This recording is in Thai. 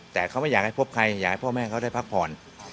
แต่เขาไม่อยากให้พบใครอยากให้พ่อแม่เขาได้พักผ่อน